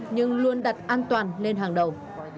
nhưng luôn đặt an toàn lên hàng đầu